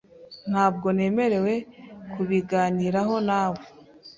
Ntabwo nemerewe kubiganiraho nawe.